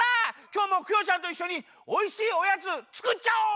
きょうもクヨちゃんといっしょにおいしいおやつつくっちゃお！